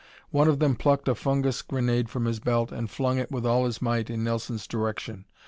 One of them plucked a fungus grenade from his belt and flung it with all his might in Nelson's direction.